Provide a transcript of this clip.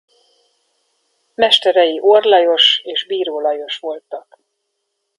Mesterei Orr Lajos és Bíró Lajos voltak.